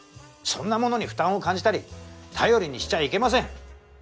そんなものに負担を感じたり頼りにしちゃいけません。